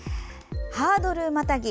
「ハードルまたぎ」。